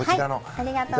はい。